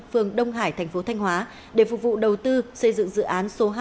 phường đông hải tp thanh hóa để phục vụ đầu tư xây dựng dự án số hai